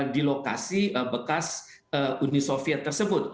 di lokasi bekas uni soviet tersebut